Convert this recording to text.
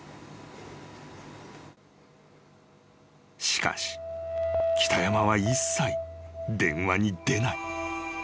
［しかし北山は一切電話に出ない］